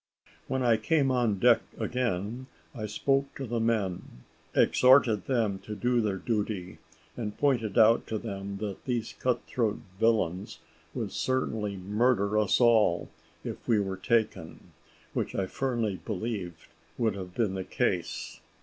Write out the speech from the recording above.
When I came on deck again I spoke to the men, exhorted them to do their duty, and pointed out to them that these cut throat villains would certainly murder us all if we were taken, which I firmly believe would have been the case.